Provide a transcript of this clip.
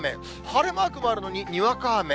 晴れマークもあるのに、にわか雨。